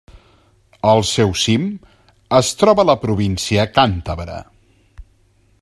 El seu cim es troba a la província càntabra.